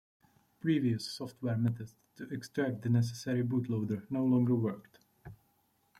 Previous software methods to extract the necessary bootloader no longer worked.